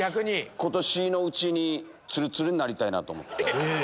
今年のうちにツルツルになりたいなと思って。